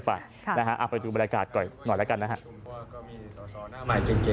พยายามนำเวลาใช้เป็นประโยชน์